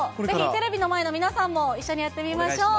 テレビの前の皆さんも一緒にやってみましょう。